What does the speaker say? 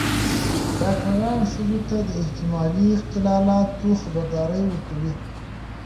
ډاکتران ښځو ته د احتمالي اختلالاتو خبرداری ورکوي.